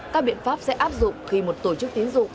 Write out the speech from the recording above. các biện pháp sẽ áp dụng khi một tổ chức tiến dụng